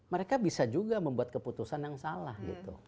mereka bisa juga membuat keputusan yang salah gitu